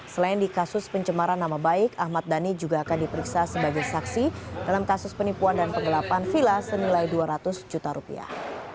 selain di kasus pencemaran nama baik ahmad dhani juga akan diperiksa sebagai saksi dalam kasus penipuan dan penggelapan vila senilai dua ratus juta rupiah